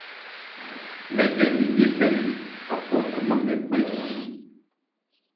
Bhɛkɛ li bhye bɛn, áphɔ khɔnmán nkɛ kpɛɛ́n.